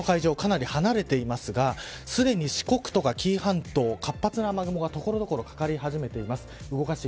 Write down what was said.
今、九州の西の海上離れていますがすでに四国や紀伊半島活発な雨雲が所々かかり始めています。